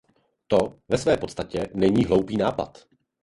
To ve své podstatě není hloupý nápad.